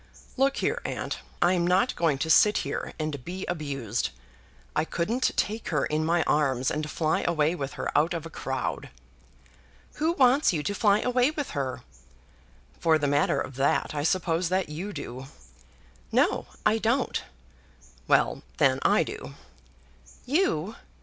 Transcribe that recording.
"Look here, aunt, I'm not going to sit here and be abused. I couldn't take her in my arms, and fly away with her out of a crowd." "Who wants you to fly away with her?" "For the matter of that, I suppose that you do." "No, I don't." "Well, then, I do." "You!